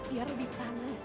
biar lebih panas